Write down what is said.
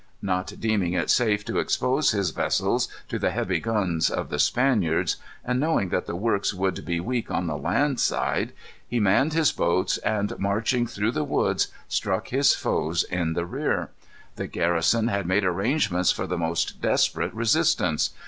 Not deeming it safe to expose his vessels to the heavy guns of the Spaniards, and knowing that the works would be weak on the land side, he manned his boats, and marching through the woods struck his foes in the rear. The garrison had made arrangements for the most desperate resistance.